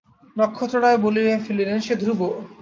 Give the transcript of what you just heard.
নক্ষত্ররায় বলিয়া ফেলিলেন, সে ধ্রুব।